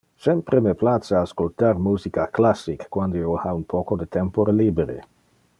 Sempre me place ascoltar musica classic quando io ha un poco de tempore libere.